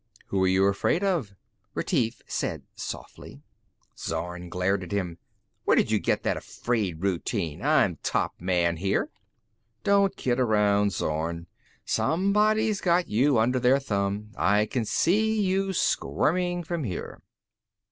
"Who are you afraid of?" Retief said softly. Zorn glared at him. "Where do you get that 'afraid' routine? I'm top man here!" "Don't kid around, Zorn. Somebody's got you under their thumb. I can see you squirming from here."